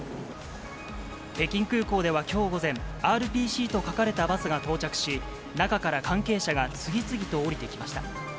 北京空港ではきょう午前、ＲＰＣと書かれたバスが到着し、中から関係者が次々と降りてきました。